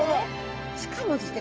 しかもですね